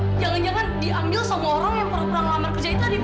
pak jangan jangan diambil sama orang yang pernah ngelamar kerja itu tadi pak